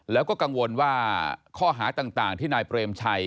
แล้วก็กังวลว่าข้อหาต่างที่นายเปรมชัย